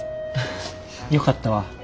よかったわ。